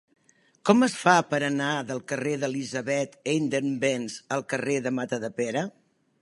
Com es fa per anar del carrer d'Elisabeth Eidenbenz al carrer de Matadepera?